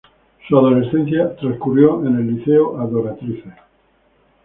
Su adolescencia transcurrió en el liceo Adoratrices.